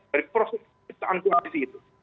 dari proses keangkulansi itu